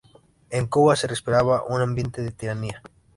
En Cuba se respiraba un ambiente de tiranía.